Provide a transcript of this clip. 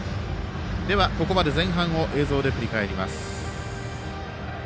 では、ここまで前半を映像で振り返ります。